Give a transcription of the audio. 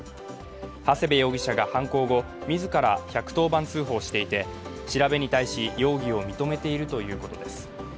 長谷部容疑者が犯行後、自ら１１０番通報していて、調べに対し、容疑を認めているということです。